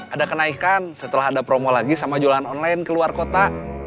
ada kenaikan setelah ada promo lagi sama jualan online keluar kota